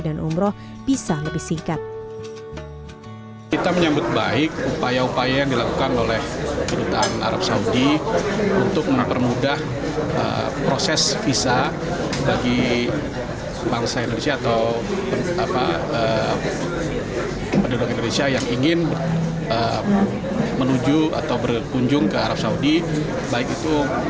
dan umroh bisa lebih singkat